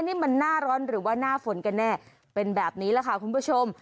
นี่มันหน้าร้อนหรือว่าหน้าฝนกันแน่เป็นแบบนี้แหละค่ะคุณผู้ชม